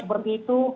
kira kira seperti itu